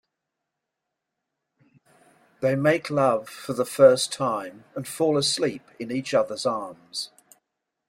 They make love for the first time and fall asleep in each other's arms.